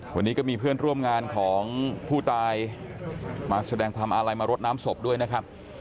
วันนี้ก็มีเพื่อนร่วมงานของผู้ตายมาแสดงความอาลัยมารดน้ำศพด้วยนะครับ